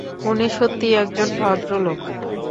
উনি সত্যিই একজন ভদ্র লোক।